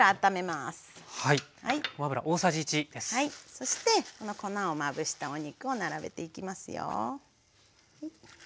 そしてこの粉をまぶしたお肉を並べていきますよ。